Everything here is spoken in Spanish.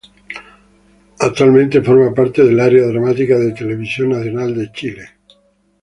Actualmente, forma parte del área dramática de Televisión Nacional de Chile.